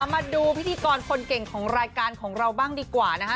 มาดูพิธีกรคนเก่งของรายการของเราบ้างดีกว่านะคะ